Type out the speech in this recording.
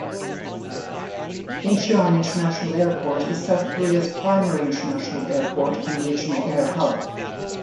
Incheon International Airport is South Korea's primary international airport and a regional air hub.